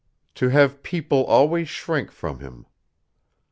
To have people always shrink from him.